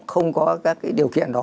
không có các cái điều kiện đó